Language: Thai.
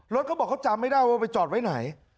เขาบอกเขาจำไม่ได้ว่าไปจอดไว้ไหน